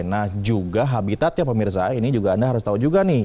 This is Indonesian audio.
nah juga habitatnya pemirsa ini juga anda harus tahu juga nih